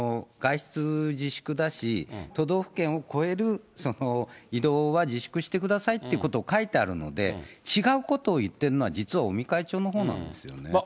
つまり政府はやっぱり、外出自粛だし、都道府県を越える移動は自粛してくださいっていうことを書いてあるので、違うことを言ってるのは、実は尾身会長のほうなんですよね。